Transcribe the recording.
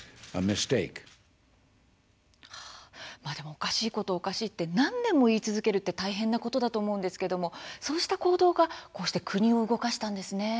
おかしいことはおかしいって何年も言い続けるって大変なことだと思うんですけどもそうした行動がこうして国を動かしたんですね。